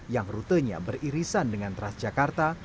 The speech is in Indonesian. yang rutenya beririsan dengan transjakarta